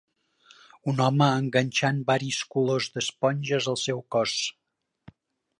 Un home enganxant varis colors d'esponges al seu cos.